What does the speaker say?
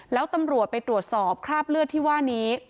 แล้วตำรวจไปตรวจสอบคราบเลือดที่ว่านี้